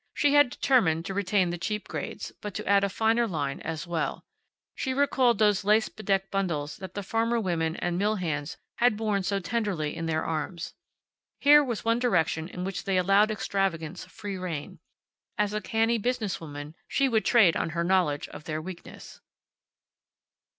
She had determined to retain the cheap grades, but to add a finer line as well. She recalled those lace bedecked bundles that the farmer women and mill hands had born so tenderly in their arms. Here was one direction in which they allowed extravagance free rein. As a canny business woman, she would trade on her knowledge of their weakness.